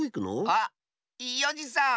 あっいいおじさん！